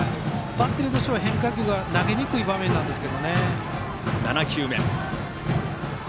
バッテリーとしては変化球が投げにくい場面です。